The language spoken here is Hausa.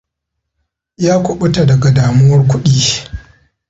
Ya kubuta daga damuwar kudi.